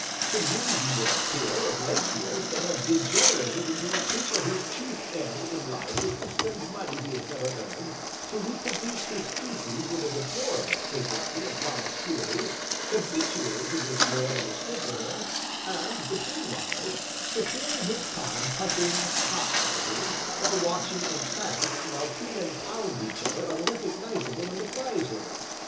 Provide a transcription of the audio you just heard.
To me he would appear, of late years, to have degenerated into a creature whose chief end in life is to spend money he has never earned, to reproduce his species with a deplorable frequency and promiscuity, habitually to drink more than is good for him, and, between whiles, to fill in his time hunting, cock fighting, or watching entranced while two men pound each other unrecognizable in the prize ring.